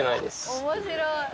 面白い。